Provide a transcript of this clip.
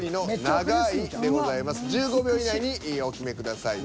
１５秒以内にお決めください。